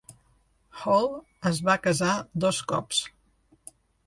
Hall es va casar dos cops.